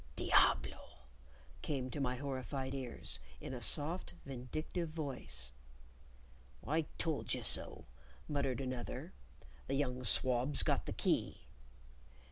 "Diablo!" came to my horrified ears, in a soft, vindictive voice. "I told ye so," muttered another; "the young swab's got the key."